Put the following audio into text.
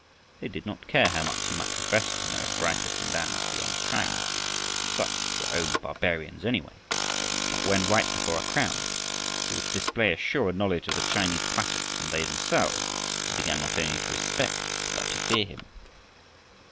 They did not care how much he might profess to know of writers and lands beyond China. Such were only barbarians anyway. But when, right before a crowd, he would display a surer knowledge of the Chinese classics than they themselves, they began not only to respect but to fear him.